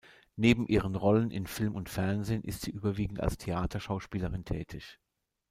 Neben ihren Rollen in Film und Fernsehen ist sie überwiegend als Theaterschauspielerin tätig.